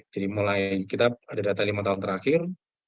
jadi mulai kita ada data lima tahun terakhir